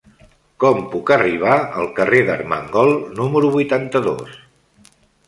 Com puc arribar al carrer d'Armengol número vuitanta-dos?